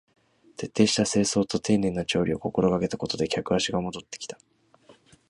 徹底した清掃と丁寧な調理を心がけたことで客足が戻ってきた